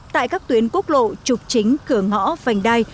tại các tuyến quốc lộ trục chính cửa ngõ vành đai